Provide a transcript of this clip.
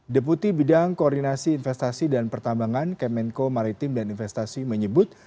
deputi bidang koordinasi investasi dan pertambangan kemenko maritim dan investasi menyebut